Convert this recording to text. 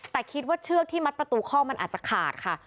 แต่คิดว่าเชือกที่มัดประตูข้อมันอาจจะขาดค่ะ